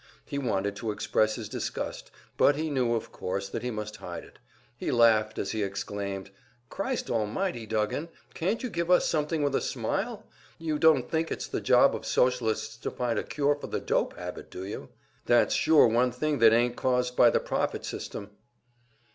He wanted to express his disgust; but he knew, of course, that he must hide it. He laughed as he exclaimed, "Christ Almighty, Duggan, can't you give us something with a smile? You don't think it's the job of Socialists to find a cure for the dope habit, do you? That's sure one thing that ain't caused by the profit system."